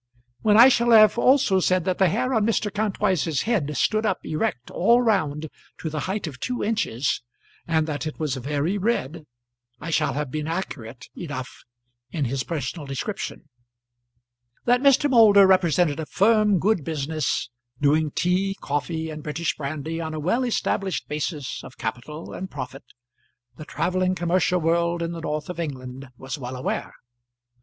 When I shall have also said that the hair on Mr. Kantwise's head stood up erect all round to the height of two inches, and that it was very red, I shall have been accurate enough in his personal description. That Mr. Moulder represented a firm good business, doing tea, coffee, and British brandy on a well established basis of capital and profit, the travelling commercial world in the north of England was well aware.